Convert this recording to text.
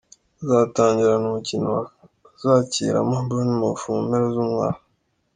Bazatangirana umukino bazakiramo Bournemouth mu mpera z'umwaka.